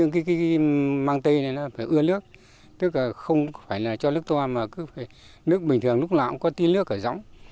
cái măng tây này nó phải ưa nước tức là không phải là cho nước to mà cứ phải nước bình thường lúc nào cũng có tiên nước ở rõng